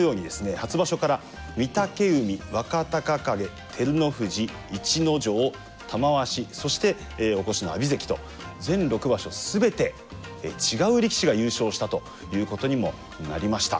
初場所から御嶽海若隆景照ノ富士逸ノ城玉鷲そしてお越しの阿炎関と全６場所全て違う力士が優勝したということにもなりました。